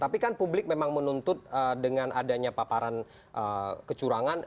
tapi kan publik memang menuntut dengan adanya paparan kecurangan